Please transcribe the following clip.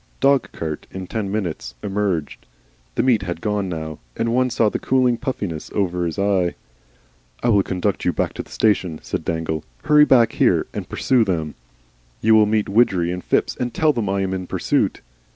Dog cart in ten minutes. Emerged. The meat had gone now, and one saw the cooling puffiness over his eye. "I will conduct you back to the station," said Dangle; "hurry back here, and pursue them. You will meet Widgery and Phipps and tell them I am in pursuit."